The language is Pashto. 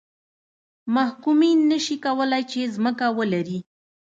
محکومین نه شي کولای چې ځمکه ولري.